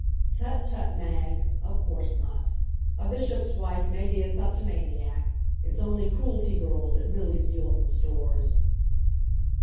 Tut tut, Mag! Of course not. A bishop's wife may be a kleptomaniac; it's only Cruelty girls that really steal from stores.